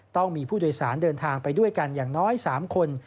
ต้องมีผู้โดยสารเดินทางไปด้วยกันอย่างน้อย๓คน